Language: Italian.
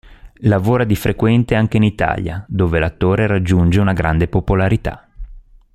Lavora di frequente anche in Italia, dove l'attore raggiunge una grande popolarità.